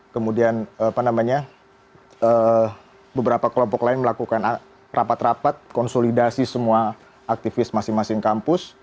kemudian beberapa kelompok lain melakukan rapat rapat konsolidasi semua aktivis masing masing kampus